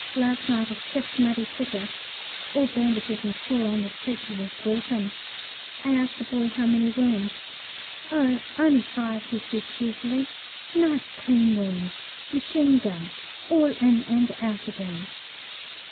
Last night a stiff muddy figure, all bandages and straw, on the stretcher was brought in. I asked the boy how many wounds? "Oh, only five," he said cheerfully. "Nice clean wounds, machine gun, all in and out again!"